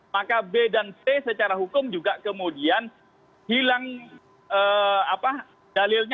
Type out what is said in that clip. maka b dan c secara hukum juga kemudian hilang dalilnya